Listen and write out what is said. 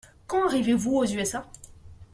Quand arrivez-vous aux USA ?